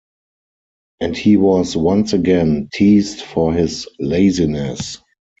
And he was once again teased for his laziness.